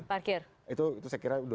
parkir itu saya kira